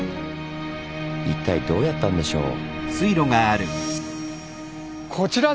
一体どうやったんでしょう？